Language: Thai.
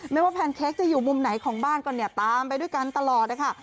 ไม่ว่าแพนเค้กจะอยู่มุมไหนของบ้านก็เนี่ยตามไปด้วยกันตลอดนะคะ